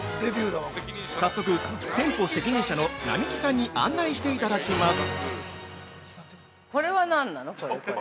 早速、店舗責任者の双木さんに案内していただきます！